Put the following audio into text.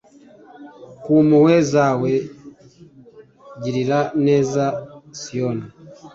Ku mpuhwe zawe girira neza Siyoni